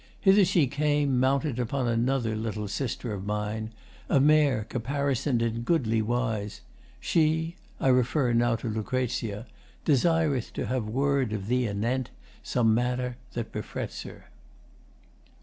Hither she came Mounted upon another little sister of mine A mare, caparison'd in goodly wise. She I refer now to Lucrezia Desireth to have word of thee anent Some matter that befrets her.